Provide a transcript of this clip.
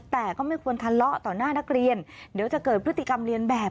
แต่ก็ไม่ควรทะเลาะต่อหน้านักเรียนเดี๋ยวจะเกิดพฤติกรรมเรียนแบบ